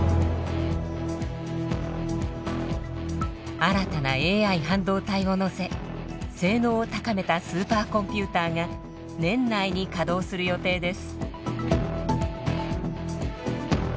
新たなＡＩ半導体を載せ性能を高めたスーパーコンピューターが年内に稼働する予定です。